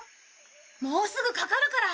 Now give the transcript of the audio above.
もうすぐかかるから。